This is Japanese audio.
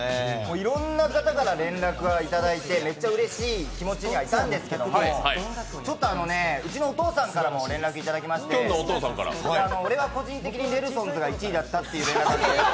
いろんな方から連絡をいただいて、うれしい気持ちではいたんですけどちょっと、うちお父さんからも連絡いただきまして、俺は個人的にネルソンズが１位だったって。